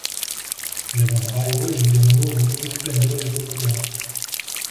Levantai hoje de novo o esplendor de Portugal!